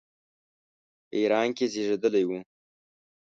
په ایران کې زېږېدلی وو.